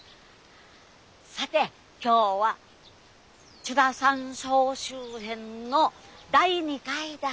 さて今日は「ちゅらさん総集編」の第２回だよ。